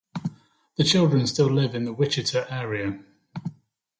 The children still live in the Wichita area.